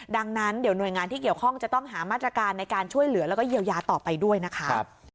ดังนั้นเดี๋ยวหน่วยงานที่เกี่ยวข้องจะต้องหามาตรการในการช่วยเหลือแล้วก็เยียวยาต่อไปด้วยนะคะ